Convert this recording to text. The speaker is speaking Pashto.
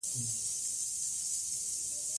چې ګړدود څنګه منځ ته راځي؟